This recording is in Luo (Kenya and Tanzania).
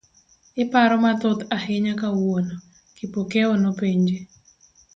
iparo mathoth ahinya kawuono, Kipokeo nopenje.